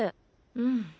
うん。